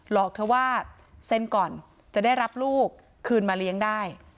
อกเธอว่าเซ็นก่อนจะได้รับลูกคืนมาเลี้ยงได้